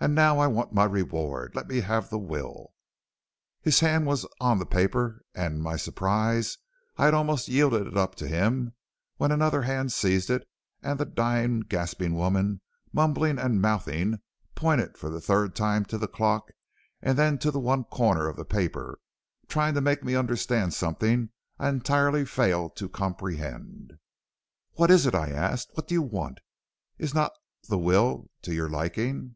And now I want my reward. Let me have the will.' "His hand was on the paper and in my surprise I had almost yielded it up to him, when another hand seized it, and the dying, gasping woman, mumbling and mouthing, pointed for the third time to the clock and then to one corner of the paper, trying to make me understand something I entirely failed to comprehend. "'What is it?' I asked. 'What do you want? Is not the will to your liking?'